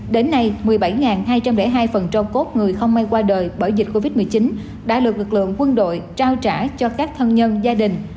đến nay một mươi bảy hai trăm linh hai cốt người không may qua đời bởi dịch covid một mươi chín đã được lực lượng quân đội trao trả cho các thân nhân gia đình